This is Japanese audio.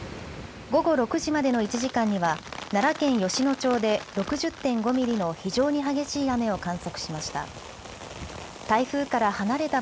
午後６時までの１時間には奈良県吉野町で６０．５ミリの非常に激しい雨を観測しました。